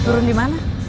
turun di mana